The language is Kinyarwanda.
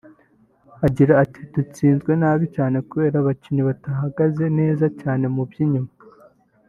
Agira ati “Dutsinzwe nabi kubera abakinnyi batahagaze neza cyane mu b’inyuma